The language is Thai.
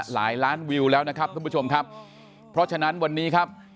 หลายล้านวิวแล้วนะครับท่านผู้ชมครับเพราะฉะนั้นวันนี้ครับ